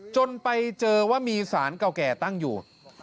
จนไปเจอว่ามีสารเก่าแก่ตั้งอยู่